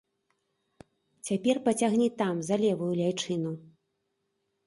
Цяпер пацягні там за левую ляйчыну.